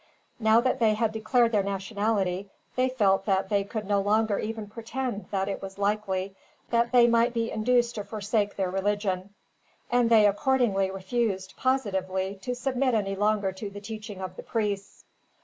Now that they had declared their nationality, they felt that they could no longer even pretend that it was likely that they might be induced to forsake their religion; and they accordingly refused, positively, to submit any longer to the teaching of the priests.